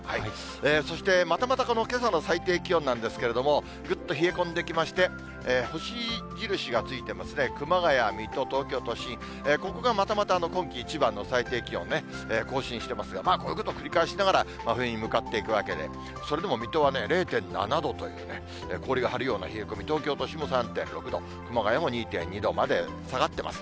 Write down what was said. そしてまたまたこのけさの最低気温なんですけれども、ぐっと冷え込んできまして、星印がついてますね、熊谷、水戸、東京都心、ここがまたまた今季一番の最低気温ね、更新してますが、こういうこと繰り返しながら、真冬の向かっていくわけで、それでも水戸はね、０．７度というね、氷が張るような冷え込み、東京都心も３．６度、熊谷も２．２度まで下がってます。